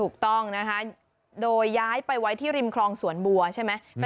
ถูกต้องนะคะโดยย้ายไปไว้ที่ริมคลองสวนบัวใช่ไหม